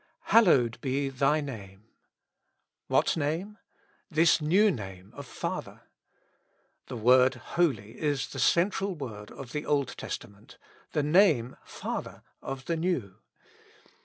^^ Hallowed be Thy naine.'^ What name? This new name of Father. The word Holy is the central word of the Old Testament ; the name Father of the New.